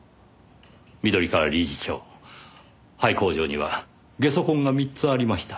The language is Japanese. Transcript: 緑川理事長廃工場には下足痕が３つありました。